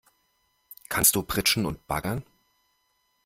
Kannst du pritschen und baggern?